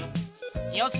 よし。